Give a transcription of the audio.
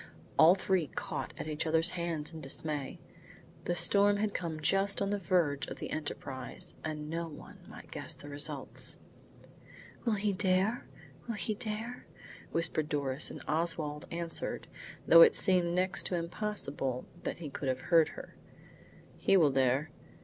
The three caught at each other's hands in dismay. The storm had come just on the verge of the enterprise, and no one might guess the result. "Will he dare? Will he dare?" whispered Doris, and Oswald answered, though it seemed next to impossible that he could have heard her: "He will dare.